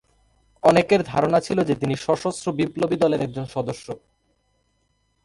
অনেকের ধারণা ছিল যে, তিনি সশস্ত্র বিপ্লবী দলের একজন সদস্য।